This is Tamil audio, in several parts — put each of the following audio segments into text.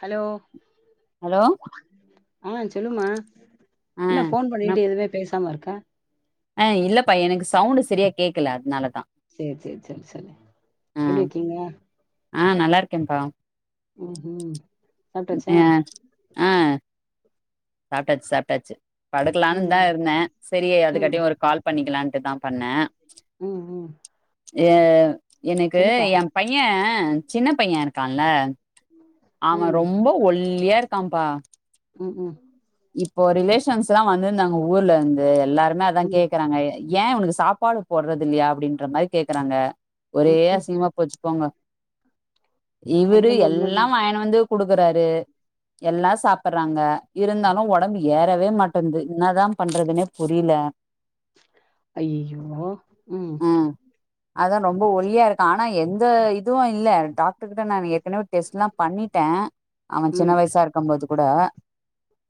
ஹலோ ஹலோ ஆ சொல்லுமா ஆ என்ன ஃபோன் நம் பண்ணிட்டு எதுமே பேசாம இருக்க ஆ இல்லப்பா எனக்கு சவுண்ட் சரியா கேக்கல அதனாலதா சேரி சேரி சேரி சேரி ஆ எப்டி இருக்கீங்க ஆ நல்லா இருக்கேன்பா உஹும் ஏ ஆ சாப்டாச்சு சாப்டாச்சு ம் படுக்கலான்னுந்தா இருந்த செரி ம் அதுக்காட்டியு ஒரு கால் பண்ணிக்கலான்ட்டுதா ம் ம் எ எனக்கு சொல்லுப்பா என் பைய சின்ன பைய இருக்கான்ல்ல அவன் ம் ரொம்ப ஒல்லியா இருக்கான்ப்பா ம்ஹும் இப்போ ரிலேஷன்ஸ்ல்லா வந்துருந்தாங்க ஊர்லருந்து எல்லாருமே அதா ம் கேக்கறாங்க ஏன் இவனக்கு சாப்பாடு போடறதில்லையா அப்டின்ற மாரி கேக்கறாங்க ஒரே ம் ம் அசிங்கமா போச்சு போங்கோ அது இவுரு என்னமோ எல்லா உண்மதா வாய்னு வந்து குடுக்கறாரு எல்லா சாப்பறாங்க இருந்தாலு ஒடம்பு ஏறவே மாட்டன்து இன்னாதா பண்றதுனே புரில அய்யியோ ம் அதா ரொம்ப ஒல்லியா ஜஸ் இருக்கான் ஆனா எந்த இதுவு இல்ல டாக்டர் கிட்ட நானு ஏற்கனவே டெஸ்டெல்லா பண்ணிட் டே அவன் சின்ன ம் வயசா இருக்கும்போது கூட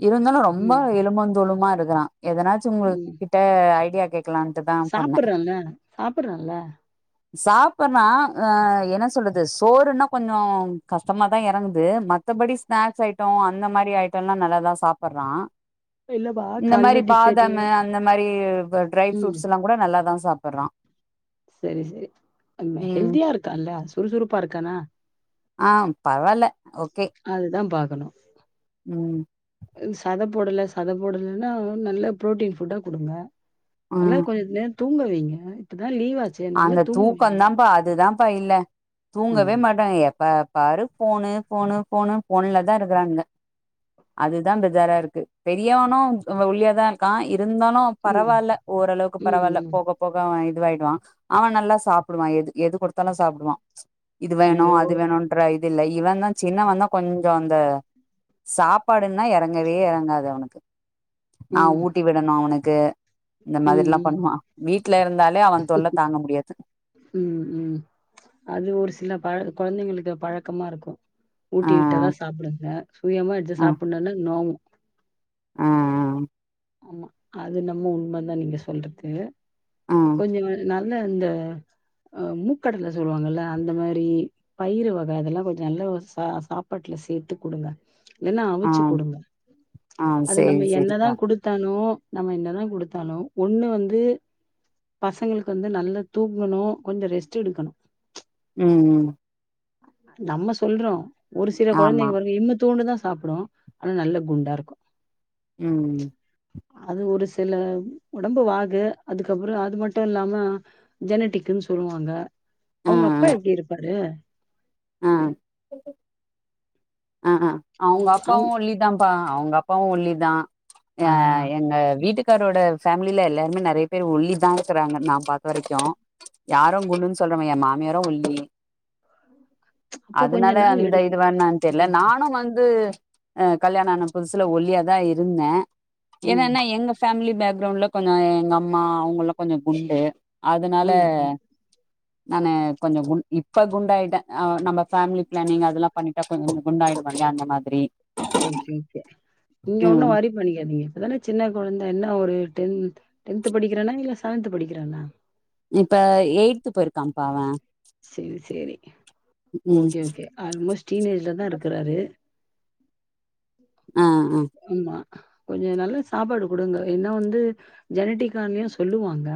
இருந்தாலு ரொம்ப ம் எலும்புந் தோலுமா இருக்கறான் எதனாச்சு உங்க ம் கிட்ட ஐடியா கேக்கலான்ட்டுதா பண்ண சாப்புட்றான்ல சாப்புட்றான்ல சாப்பறான் அ என்ன சொல்றது சோறுன்னா கொஞ்சோ கஷ்டமாதா எறங்குது மத்தபடி ஸ்நாக்ஸ் ஐட்டோ அந்த மாரி ஐட்டோல்லா நல்லாதா சாப்புட்றா இல்லப்பா இந்த கால்ல மாரி டிஃபனு பாதமு அந்த மாரி ட்ரை ம் ஃப்ரூட்ஸ் எல்லாங் கூட நல்லாதா சாப் சரி சரி அது ம ம் ஹெல்தியா இருக்கான்ல சுறுசுறுப்பா இருக்கானா ஆ பரவால்ல ஓக் அதுதா பாக்கணு ம் சத போடல சத போடலன்னா நல்ல ப்ரோட்டீன் ஃபுட்டா குடுங்க நல்லா ம் கொஞ்ச நேரந் தூங்க வைங்க இப்பதா அந்த தூக்கந் தாம்ப்பா அதுதாம்ப்பா இல்ல ம் தூங்கவே மாட்டாங்க எப்ப பாரு ஃபோனுு ஃபோனுு ஃபோனுு ஃபோன்லதா இருக்குறாங்க அதுதா பெஜாரா இருக்கு பெரியவனு ஒல்லியாதா இருக்கா இருந்தாலு ம் பரவால்ல ஓரளவுக்கு ம் பரவால்ல ம் போக போக அவ இதுவாய்டுவா அவ நல்லா சாப்புடுவா எது எது குடுத்தாலு சாப்டுவா இது வேணு ஐயோ அது வேணுன்ற இல்ல இவந்தா சின்னவந்தா கொஞ்சோ அந்த சாப்பாடுன்னா எறங்கவே எறங்காது அவனுக்கு நா ம் ஊட்டி விடணு அவனுக்கு இந்த ம் மாதிரில்லா ம் பண்ணுவா வீட்ல இருந்தாலே அவ தொல்ல தாங்க முடியாது ம் ம் அது ஒரு சில பழ கொழந்தைங்களுக்கு பழக்கமா இருக்கு ஆ ஊட்டி விட்டதா சாப்டுங்க சுயமா எடுத்து சாப்புட்ணுன்னா நோவு ஆ ஆ ஆமா அது என்னமோ உண்மதா நீங்க சொல்றது ஆ கொஞ்சங் கொஞ் நல் என்ன அந்த அ மூக்கடல சொல்லுவாங்கல்ல அந்த மாரி பயிறு வக அதெல்லாங் கொஞ்ச நல்ல சா சாப்பாட்டுல சேத்து குடுங்க இல்லன்னா ஆ அவிச்சு குடுங்க ஆ அது சேரி நம்ம என்னதா சேரிப்பா குடுத் னு நம்ம என்னதா குடுத்தாலு ஒண்ணு வந்து பசங்களுக்கு வந்து நல்ல தூங்கணு கொஞ்சோ ரெஸ்ட் எடுக்கணு ம் ம் நம்ம சொல்றோ ஒரு சில ஆமா கொழந்தைங்கங்க வந்து இன்னு தூண்டுதா சாப்புடு ஆனா நல்ல குண்டாருக்கு ம் அது ஒரு சில ஒடம்பு வாகு அதுக்கப்றோ அது மட்டு இல்லாம ஜெனிட்டிக்குன் சொல்லுவாங்க ஆ அவங்க அப்பா எப்டி இருப்பாரு ஆ ஆ அவங்க அப்பாவு அவுங் ஒல்லிதாப்பா அவங்க அப்பாவு ஒல்லிதா ஆ அ எங்க வீட்டுக் காரோட ஃபேமில எல்லாருமே நெறைய பேர் ஒல்லிதா இருக்கிறாங்க நா பாத்த வரைக்கு யாரு குண்டுன் சொல்ல மு எ மாமியாரு ஒல்லி அப்ப கொஞ்ச அதுனால நாள் அந்த எடுக்கு இது வேணா தெர்ல ம் நானு வந்து அ கல்யாணோ ஆன புதுசுல ஒல்லியாதா இருந்த ம் என்னன்னா எங்க ஃபேமிலி பேக்ரவ்ண்ட்ல கொஞ்சோ எங்க அம்மா அவங்கல்லா கொஞ்சோ குண்டு அதனால ம் ம் நானு கொஞ்சோ கு இப்ப குண்டாய்ட்ட ஆ நம்ம ஃபேமிலி ப்ளனிங் அதுல்லா பண்ணிட்டா கொஞ்சோ குண்டாய்டு வோல்லயா அந்த மாதிரி ஓகே ஓகே நீங்க ஒன்னு ம் ஒரி பண்ணிக்காதிங்க நீங்க இப்பதான சின்ன கொழந்த என்ன ஒரு டென் டென்த் படிக்கிறளா இல்ல செவன்த் படிக்கிறாளா இப்ப எய்த் போயிருக்காம்ப்பா அவ சேரி சேரி ம் ஓகே ஓகே அல்மோஸ்ட் டீனேஜ்லதா இருக்குறாரு ஆ ஆ ஆமா கொஞ்சோ நல்லா சாப்பாடு குடுங்க என்ன வந்து ஜெனட்டிக்காகயு சொல்லுவாங்க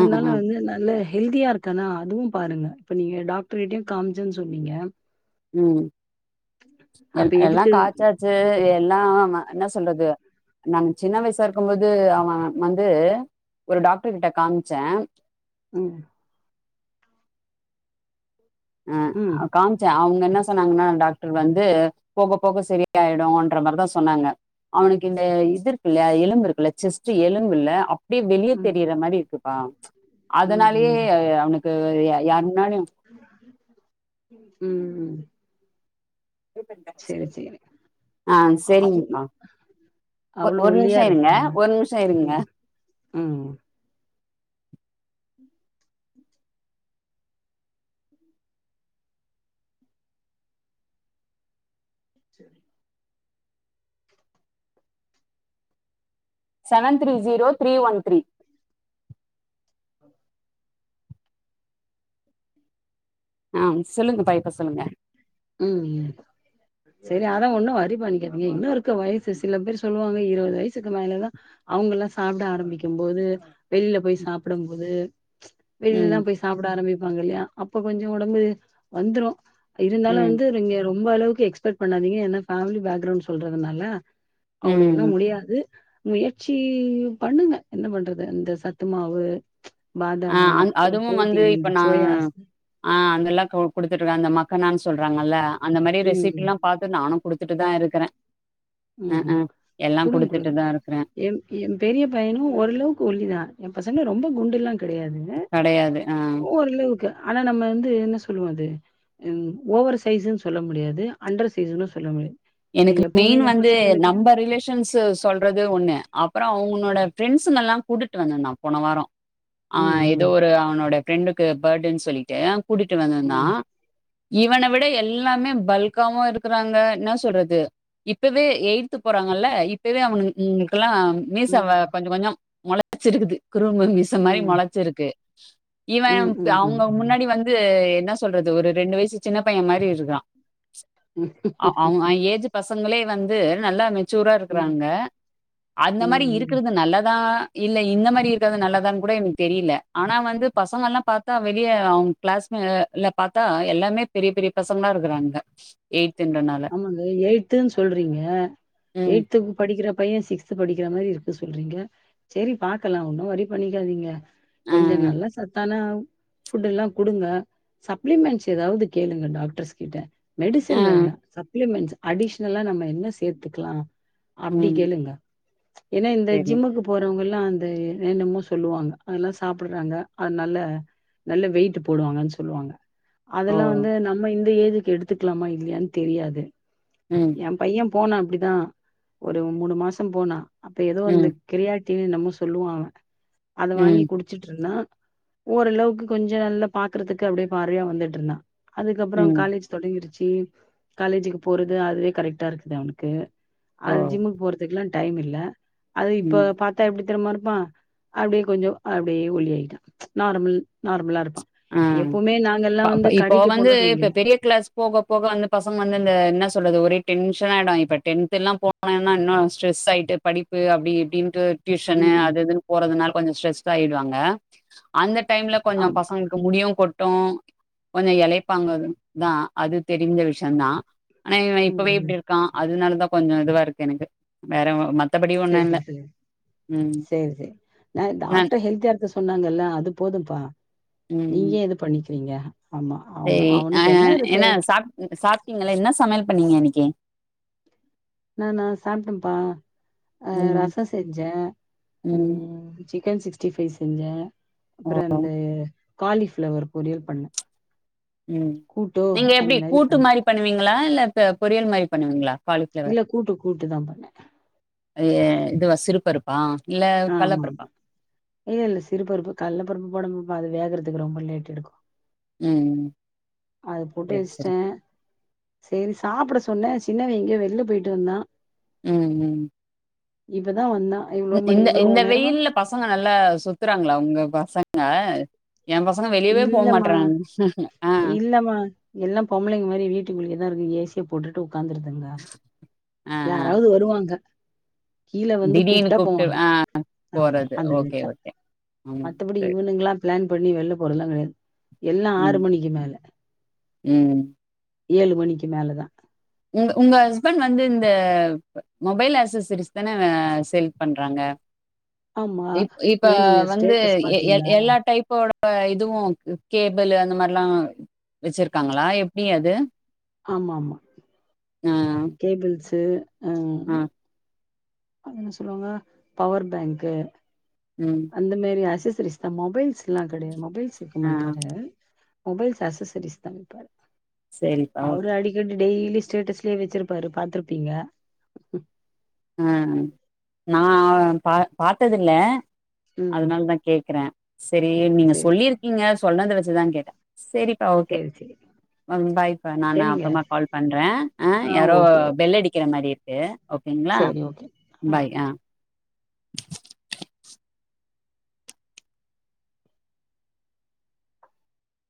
ஆ ஆ வந்து நல்ல ஹெல்தியா இருக்கானா அதுவு பாருங்க இப்ப நீங்க டாக்டர்கிட்டயு காம்ச்சன் சொன்னீங்க ம் எல் அப்ப எல்லா எதுக்கு காச்சாச்சு எல்லா என்ன சொல்றது நாங்க சின்ன வயசா இருக்கும்போது அவ வந்து ஒரு டாக்டர் கிட்ட காம்ச்செ ம் ம் ஆ காம்ச்சே அவு என்ன சொன்னாங்கன்னா டாக்டர் வந்து போக போக சரியாயிடுன்ற மாரிதா சொன்னாங்க அவனுக்கு இந்த இது இருக்குல்லயா எலும்பு இருக்குல்ல செஸ்ட் எலும்புல்ல அப்டியே வெளியே ம் தெரியுற மாரி இருக்குப்பா ம் அதுனாலயே ம் அவனுக்கு யார் முன்னாலயு ம் செரி செரி ஆ அவ் சேரிங்கப்பா ஒ அவ்ளோ ஒரு ஒல்லியா நிம்ஷம் இருங்க இருக்குறாங்க ஒரு நிம்ஷம் இருங்க ம் ம் சரி seven three zero three one three ஆ சொல்லுங்க பாய்ப்பா சொல்லுங்க ம் ம் செரி அதா ஒன்னு ஒரி பண்ணிக்காதீங்க இன்னு இருக்கு வயசு சில பேர் சொல்லுவாங்க இருவது வயசுக்கு மேலதா அவங்கல்லா சாப்ட ஆரம்பிக்கும் போது வெளியில போய் சாப்புடும் போது ம் வெளியிலலா போய் சாப்புட ஆரம்பி இருக்காங்க இல்லயா அப்ப கொஞ்ச ஒடம்பு வந்துரும் இருந்தாலு ம் வந்து இங்க ரொம் ப அளவுக்கு எக்ஸ்பெக்ட் பண்ணாதீங்க ஏன்னா பேமிலி பேக்கிரவுண்ட் சொல்றதுனால அவ்ளவுல்லா ம் முடியாது முயற்சி பண்ணுங்க என்ன பண்றது இந்த சத்து மாவு ஆ பாதாமு அப்புற அதுவு வந்து ப்ரோட்டீனு இப்ப இந்த நா சோயா ஆ அதெல்லா குடுத்துட்டுருக்கங்க அந்த மக்கனான் சொல்றாங்கல்ல அந்த மாரி ம் ரெசிப்பில்லா பாத்து நானு குடுத்துட்டுதா இருக்கறே ம் குடுங் குடுங்க தான் இருக்கிறேன். என் என் பெரிய பையனும் ஓரளவுக்கு ஒல்லி தான் என் பசங்க ரொம்ப கெடையாதுங்க கெடையாது. ஆ. ஓரளவுக்கு ஆனா நம்ம வந்து என்ன சொல்லுவோ அது ஓவர் சைஸூன் சொல்ல முடியாது அண்டர் சைஸூன்னு சொல்ல முடியாது எனக்கு எப்பவுமே மெயின் என் வந்து பசங்களுக்கு நம்ப ரிலேஷன்ஸ் சொல்றது ஒண்ணு அப்பற அவங் னோட பிரெண்ட்ஸ்கெல்லா கூட்டிட்டு வந்துருந்தா போன வாரம் ஆ ம் எதோ ம் ஒரு அவனோட ஃப்ரெண்டுக்கு பேர்த்டேனு சொல்லிட்டு கூட்டிட்டு வந்திருந்தா ம் இவன விட எல்லாமே பல்காவு இருக்கறாங்க என்ன சொல்றது இப்பவே எயி்த் போறாங்கல்ல இப்பவே அவனுங்களுக்கெல்லா மீச ம் கொஞ்ச கொஞ்சம் முளச்சிருக்குது குரும்பு மீச மாரி ம் மொளச்சிருக்கு ம் இவன் ம் ம் ம் அவங்க முன்னாடி வந்து என்னா சொல்றது ஒரு ரெண்டு வயசு சின்ன பைய மாரி இருக்குறா உ பசங்களே வந்து நல்லா மெச்சூரா இருக்கிறாங்க அந்த மாரி ம் இருக்கிறது நல்லதா இல்ல இந்த மாரி இருக்கது நல்லதான்னு கூட எனக்கு தெரியல ஆனா வந்து பசங்கல்லா பாத்தா வெளியே அவங்க கிளாஸ் ல பாத்தா எல்லாமே பெரிய பெரிய பசங்களா இருக்கிறாங்க எய்த்ன்றா ஆமாங்க எய்த்துன் சொல்றீங்க ம். எய்த் படிக்கிற பையன் சிக்ஸ்த் படிக்கிற மாரி இருக் சொல்றீங்க சரி பாக்கலா ஒன்னு வொரி பண்ணிக்காதீங்க ஆ, கொஞ்ச நல்லா சத்தான ஃபுட் எல்லா குடுங்க சப்ளிமெண்ட்ஸ் எதாவது கேளுங்க டாக்டர்ஸ்கிட்ட ஆ, மெடிசன் வேண்டா சப்ளிமெண்ட்ஸ் அடிஷனலா நம்ம என்ன சேத்துக்கலா அப்டி ம். கேளுங்க ஏன்னா இந்த சரி. ஜிம்முக்கு போறவங் லா அந்த என்னமோ சொல்லுவாங்க அதெல்லா சாப்பிடுறாங்க அதுனால நல்ல வெயிட் போடுவாங்கன்னு சொல்லுவாங்க ஓ! அதெல்லா வந்து நம்ம இந்த ஏஜுக்கு எடுத்துக்கலாமா இல்லையான்னு தெரியாது ம், எ பைய போனா அப்டிதா ஒரு மூணு மாசம் போனா அப்ப ஏதோ அந்த ம், கிரியா ட்டின் என்னம்மோ சொல்லுவா அவ அத வாங்கி ம், குடிச்சிட்டு இருந்தா ஓரளவுக்கு கொஞ்சோ நல்லா பாக்குறதுக்கு அப்டியே பார்வையா வந்துட்டு இருந்தா அதுக்கப்றோ ம். காலேஜ் தொடங்கிடுச்சு காலேஜுக்கு போறது அதுவே கரெக்ட்டா இருக்குது அவனுக்கு ஓ! அது ஜிம்முக்கு போறதுக்குல்லா டைம் இல்ல அது இப்ப ம். பாத்தா எப்டி எப்டி தெரிமா இருப்பா அப்டியே கொஞ்சோ அப்டியே ஒல்லியாகிட்டா நார்மல் நார்மலா இருப்ப அ இப்ப கடைக்கு வந்து போனோன்னு வைங்க இப்ப பெரிய கிளாஸ் போக போக வந்து பசங் வந்து என்ன சொல்றது ஒரே டென்ஷனாயிடுவாங்க இப்ப டென்த் எல்லா போன இன்னு ஸ்ட்ரெஸ் ஆயிட்டு படிப்பு அப்டி இப்டின்ட்டு டியூஷனு ம் ம் அது எதுன்னு போறதால கொஞ்சோ ஸ்ட்ரெஸ் ஆயிடுவாங்க அந்த டைம்ல கொஞ்சோ ஆமா பசங் முடியு கொட்டு கொஞ்சோ எலைப்பாங்க தா அது தெரிஞ்ச விஷயோ தா ஆனா இவ ம் இப்பவே ம் இப்டி இருக்கா அதனாலதா கொஞ்சோ இதுவா இருக்கு எனக்கு வேற மத்த சேரி சேரி சேரி சேரி என்ன நான் டாக்டர் ஹெல்த்தியா இருக்க சொன் சொன்னாங்கல்ல அது போதுப்பா நீங்கே ஏ இது பண்ணிக்கிறீங்க ஆமா அவங்க செரி அ அவனுக்கு இருக்கு என்ன சா சாப்பிட்டீங்கள என்ன சமையல் பண்ணீங்க இன்னிக்கி கே நானா சாப்ட்டப்பா அ ம் ரச செஞ்சே ம் சிக் சிக்கன் சிக்ஸ்டி ஃபைவ் செஞ்சே ஓ அப்றோ அ இந்த காலிஃபிளவர் பொரியல் பண்ணே ம் கூட்டோ நீங்க அந்த எப்டி கூட்டு பண்ணே மாரி பண்ணுவீங்களா இல்ல பொரியல் மாரி பண்ணுவீங்களா காலிஃப்ளவர் இல்ல கூட்டு கூட்டு தா பண்ணே ஏ இது சிறு பருப்பா ஆமா ஆமா இல்லல்ல சிறுபருப்பு கல்வ பருப்பு போட அது வேகறதுக்கு ரொம்ப லேட் எடுக்கு ம் அது போட்டு சேரி சேரி வெச்ட்டே செரி சாப்பிட சொன்னே சின்னவ எங்கயோ வெள்ள போயிட்டு வந்தா ம் ம் இப்பதா வந்தா இவ்ளோ மணி இந்த இவ்ளோ இந்த நேரமா வெயில்ல பசங்க நல்லா சுத்துறாங்களா உங்க பசங்க என் பசங்க வெளியவே போ இல்லமா மாட்றாங்க ஆ இல்லமா எல்லா பொம்பளைங்க மாரி வீட்டுக்குள்ளயேதா இருக்கு ஏ சி போட்டுட்டு உட்காந்துருதுங்க ஆ ஆ யாராவது வருவாங்க கீழ வந்து திடீர்னு கூப்ட்டா கூப்ட்டு போவாங்க ஆ அ போறது அந்த மாரி ஓகே தா ஓகே ம் மத்தபடி சேரி இவனுகளால்லா பிளான் பண்ணி வெளில போறதுலா கெடயாது எல்லா ஆறு ம் மணிக்கு மேல ம் ஏழு மணிக்கு மேல தா உங்க ஹஸ்பண்ட் வந்து இந்த மொபைல் ஆக்சஸரீஸ் தானே சேல் பண்றாங்க ஆமா இப் இப்ப ஏ நீங்க வந்து ஸ்டேட்டஸ் எ பாத்தீங்களா எல்லா டைப்போட இப்ப இதுவு கேபிளு அந்த மாரிலா வெச்சிருக்காங்களா எப்டி அது ஆமா ஆமா கேபிள்ஸ்சு ம் அது என்ன சொல்லுவாங்க பவர் பேங்க்கு ம், அந்த மாரி ஆக்சஸரீஸ் தா மொபைல்ஸ் எல்லா கெடயாது மொபைல்ஸ் விக்க ஆ, மாட்டாரு மொபைல்ஸ் ஆக்சஸரீஸ் தா விப்பாரு சேரிப்பா ஓகே டெய்லியு ஸ்டேட்டஸ்லயே வெச்சிருப்பாரு பாத்துருப்பீங்க அ நா பா பாத்ததில்ல ம் அதனால தா கேக்குறே செரி நீங்க சேரி சொல்லிருக்கீங்க சொன்னத வெச்சுதா கேட்டே செரி சேர் சேரி பாய்ப்பா நானு சேரிங்க அப்புறமா கால் பண்றே அ ஆ யாரோ ஓகே ஓகே பெல் அடிக்கிற மாரி இருக் ஓகே ஓகேங்ளா சேரி ஓகே ஆ பாய் அ